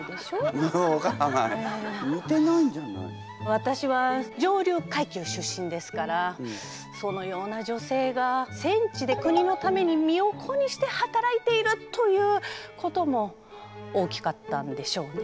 わたしは上流階級出身ですからそのような女性が戦地で国のために身を粉にして働いているということも大きかったんでしょうね。